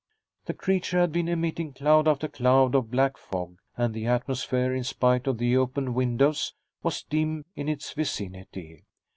The creature had been emitting cloud after cloud of black fog, and the atmosphere, in spite of the open windows, was dim in its vicinity.